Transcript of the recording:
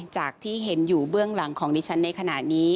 จากที่เห็นอยู่เบื้องหลังของดิฉันในขณะนี้